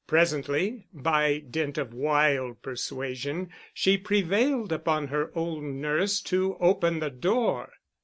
Presently, by dint of wild persuasion, she prevailed upon her old nurse to open the door.